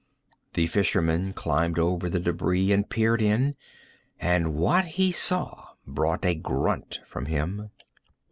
The fisherman climbed over the debris and peered in, and what he saw brought a grunt from him.